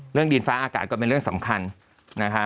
ดินฟ้าอากาศก็เป็นเรื่องสำคัญนะคะ